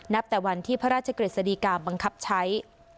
นับแต่วันที่พระราชเกร็จสดีการบังคับใช้